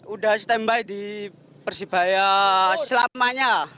udah standby di persebaya selamanya